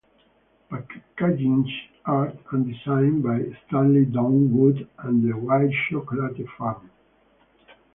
Packaging art and design by Stanley Donwood and The White Chocolate Farm.